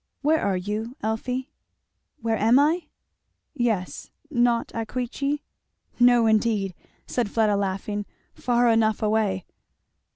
"Where are you, Elfie?" "Where am I?" "Yes Not at Queechy?" "No indeed," said Fleda laughing. "Far enough away."